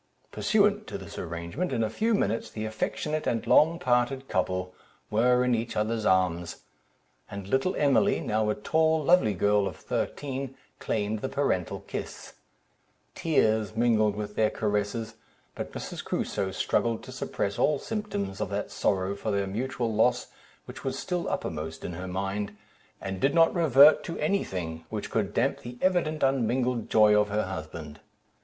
Pursuant to this arrangement, in a few minutes the affectionate and long parted couple were in each other's arms; and little Emily, now a tall, lovely girl of thirteen, claimed the parental kiss. Tears mingled with their caresses, but Mrs. Crusoe struggled to suppress all symptoms of that sorrow for their mutual loss, which was still uppermost in her mind, and did not revert to any thing which could damp the evident unmingled joy of her husband.